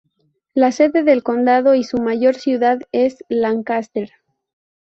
La sede del condado y su mayor ciudad es Lancaster.